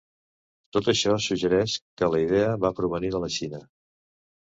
Tot això suggereix que la idea va provenir de la Xina.